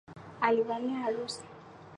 Alivamia harusi